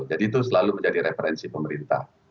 jadi itu selalu menjadi referensi pemerintah